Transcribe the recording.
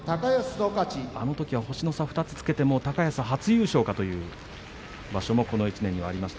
あのときは星の差２つつけて高安が初優勝かという場所もこの１年の中にありました。